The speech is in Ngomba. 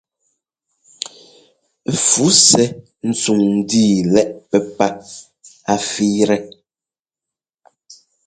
Fu sɛ́ ntsuŋ ńdíi lɛ́ꞌ pɛ́pá a fíitɛ.